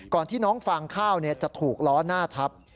ที่น้องฟางข้าวจะถูกล้อหน้าทับ